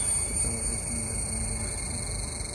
Su sabor es similar al de una tuna.